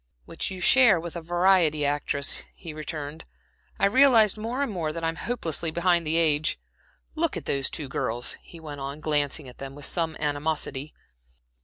"Which you share with a variety actress," he returned. "I realize more and more that I'm hopelessly behind the age. Look at those two girls," he went on, glancing at them with some animosity.